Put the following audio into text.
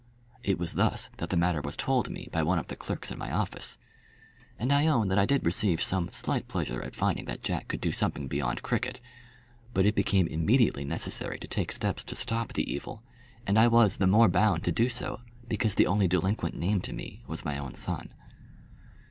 It was thus that the matter was told me by one of the clerks in my office, and I own that I did receive some slight pleasure at finding that Jack could do something beyond cricket. But it became immediately necessary to take steps to stop the evil, and I was the more bound to do so because the only delinquent named to me was my own son.